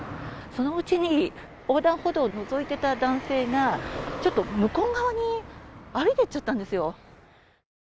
そのうちに、横断歩道をのぞいていた男性が向こう側に歩いていっちゃったんですよ。